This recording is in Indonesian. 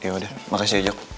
yaudah makasih ya jok